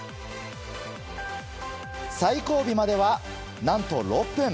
最後尾までは何と６分。